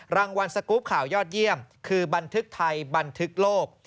รางวัลสกรูปข่าวยอดเยี่ยมคือบันทึกไทยบันทึกโลก